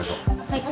はい。